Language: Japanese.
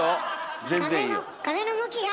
風の向きが？